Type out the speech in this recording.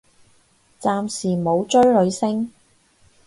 暫時冇追女星